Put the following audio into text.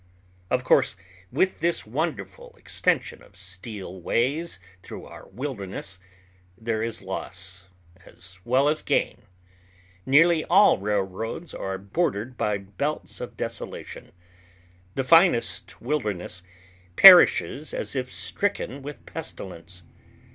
Of course, with this wonderful extension of steel ways through our wildness there is loss as well as gain. Nearly all railroads are bordered by belts of desolation. The finest wilderness perishes as if stricken with pestilence.